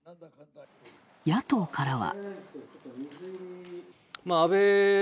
野党からは。